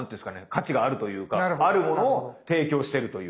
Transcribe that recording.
価値があるというかあるものを提供してるという。